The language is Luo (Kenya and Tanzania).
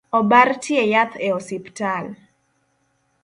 Obar tie nyathi e osiptal